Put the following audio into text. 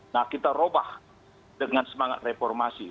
nah kita robah dengan semangat reformasi